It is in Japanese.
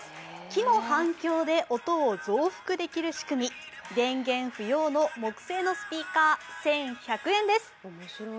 木の反響で音を増幅できる仕組みに電源不要の木性のスピーカー、１１００円です。